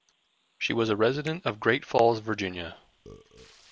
She was a resident of Great Falls, Virginia.